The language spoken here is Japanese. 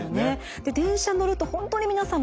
電車に乗ると本当に皆さん